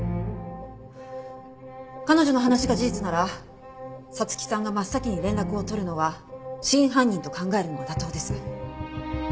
彼女の話が事実なら彩月さんが真っ先に連絡をとるのは真犯人と考えるのが妥当です。